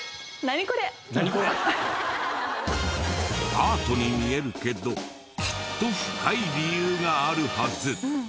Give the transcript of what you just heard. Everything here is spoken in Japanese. アートに見えるけどきっと深い理由があるはず。